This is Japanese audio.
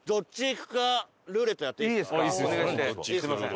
すみません。